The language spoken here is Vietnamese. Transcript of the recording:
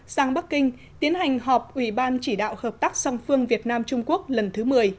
sang bắc kinh tiến hành họp ủy ban chỉ đạo hợp tác song phương việt nam trung quốc lần thứ một mươi